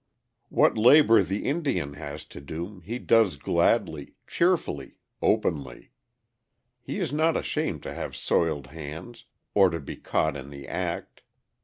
] What labor the Indian has to do he does gladly, cheerfully, openly. He is not ashamed to have soiled hands or to be caught in the act.